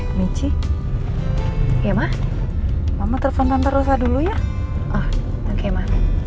eh michi ya ma mama telepon tanpa rusak dulu ya oke ma